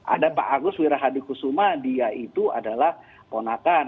ada pak agus wirahadi kusuma dia itu adalah ponakan